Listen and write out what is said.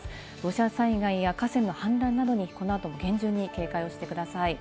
土砂災害や河川の氾濫などにこの後も厳重に警戒をしてください。